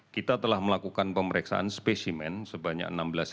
kita telah melakukan pemeriksaan spesimen sebanyak enam belas satu ratus delapan puluh satu